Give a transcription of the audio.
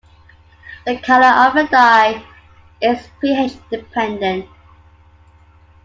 The color of the dye is pH-dependent.